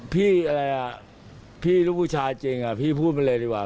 พี่อะไรอ่ะพี่ลูกผู้ชายจริงพี่พูดมาเลยดีกว่า